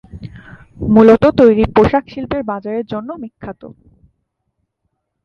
মূলত তৈরি পোশাক শিল্পের বাজারের জন্য বিখ্যাত।